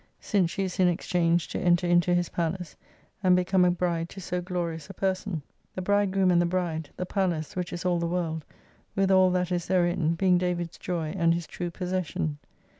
Since she is in exchange to enter into His palace, and become a bride to so glorious a person. The Bridegroom and the Bride, the Palace (which is all the world) with all that is therein, being David's joy and his true possession.